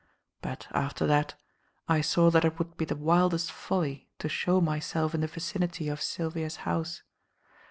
But, after that, I saw that it would be the wildest folly to show myself in the vicinity of Sylvia's house.